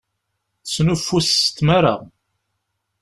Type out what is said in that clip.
Tesnuffus s tmara.